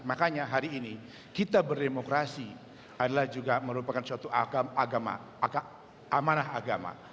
makanya hari ini kita berdemokrasi adalah juga merupakan suatu amanah agama